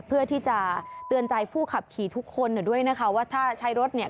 เพื่อที่จะเตือนใจผู้ขับขี่ทุกคนด้วยนะคะว่าถ้าใช้รถเนี่ย